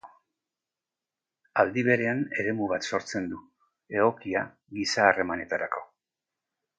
Aldi berean, eremu bat sortzen du, egokia giza-harremanetarako.